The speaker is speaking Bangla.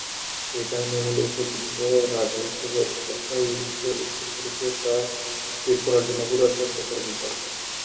এই কাহিনির মূল উপজীব্য রাজা হিসেবে ওসাইরিসের উত্তরসূরি কে তা স্থির করার জন্য হোরাস ও সেতের বিবাদ।